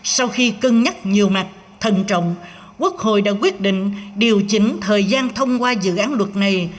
sau khi cân nhắc nhiều mặt thần trọng quốc hội đã quyết định điều chỉnh thời gian thông qua dự án luật này